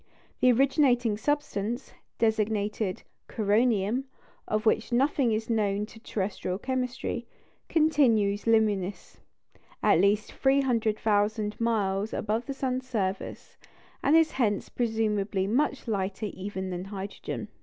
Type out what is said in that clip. The originating substance, designated "coronium," of which nothing is known to terrestrial chemistry, continues luminous at least 300,000 miles above the sun's surface, and is hence presumably much lighter even than hydrogen.